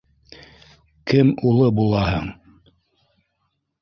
Кем улы булаһың?